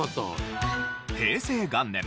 平成元年